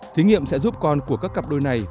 thí nghiệm sẽ giúp con của các cặp đôi này